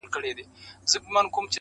وڅڅوي اوښکي اور تر تلي کړي!.